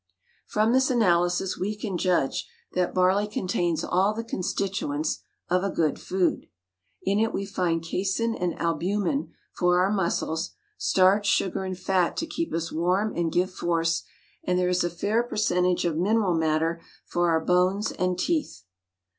] From this analysis we can judge that barley contains all the constituents of a good food. In it we find casin and albumen for our muscles; starch, sugar, and fat to keep us warm and give force; and there is a fair percentage of mineral matter for our bones and teeth.